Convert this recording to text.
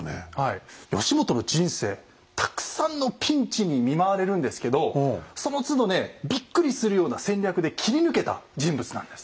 義元の人生たくさんのピンチに見舞われるんですけどそのつどねびっくりするような戦略で切り抜けた人物なんです。